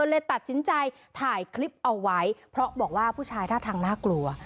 เลยตัดสินใจถ่ายคลิปเอาไว้เพราะบอกว่าผู้ชายท่าทางน่ากลัว